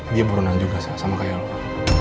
dia burunan juga sama kayak alkoho